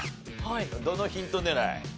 どのヒント狙い？